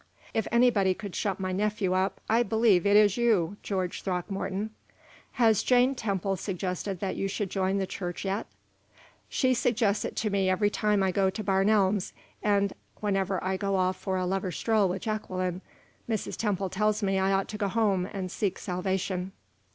"If anybody could shut my nephew up, I believe it is you, George Throckmorton. Has Jane Temple suggested that you should join the church yet?" "She suggests it to me every time I go to Barn Elms, and whenever I go off for a lover's stroll with Jacqueline, Mrs. Temple tells me I ought to go home and seek salvation."